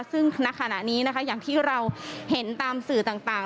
ซึ่งณขณะนี้นะคะอย่างที่เราเห็นตามสื่อต่าง